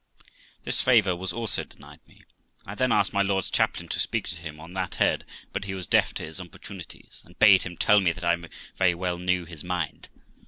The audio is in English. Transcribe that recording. This favour was also denied me. I then asked my lord's chaplain to speak to him on that head, but he was deaf to his importunities, and bade him tell me that I very well knew his mind.